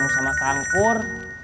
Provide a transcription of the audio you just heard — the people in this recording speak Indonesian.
kamu sama kang pur